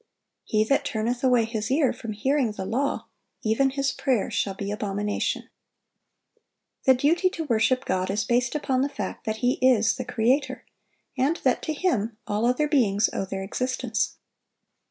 "He that turneth away his ear from hearing the law, even his prayer shall be abomination."(725) The duty to worship God is based upon the fact that He is the Creator, and that to Him all other beings owe their existence.